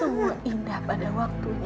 semua indah pada waktunya